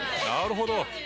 なるほど。